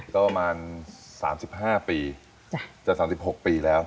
ก็ประมาณ๓๕ปีจะ๓๖ปีแล้ว